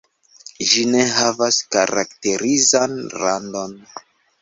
Ĝi ne havas karakterizan randon.